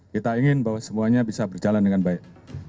kita ingin bahwa semuanya bisa berjalan dengan baik